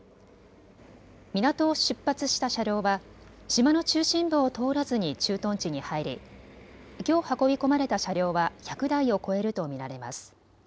港を出発した車両は島の中心部を通らずに駐屯地に入りきょう運び込まれた車両は１００台を超えると見られます。